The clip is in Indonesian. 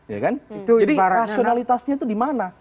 jadi rasionalitasnya itu dimana